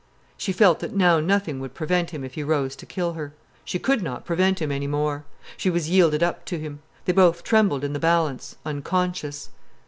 She felt that now nothing would prevent him if he rose to kill her. She could not prevent him any more. She was yielded up to him. They both trembled in the balance, unconscious.